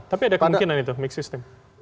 tapi ada kemungkinan itu mix system